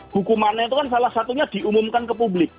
hukumannya itu kan salah satunya diumumkan ke publik